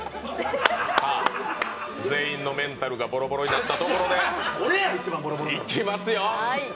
全員のメンタルがボロボロになったところで、いきますよ。